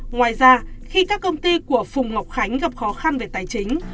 ngoài ra khi các công ty của phùng ngọc khánh gặp khó khăn về tài chính